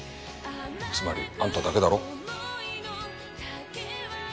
つまりあんただけだろ。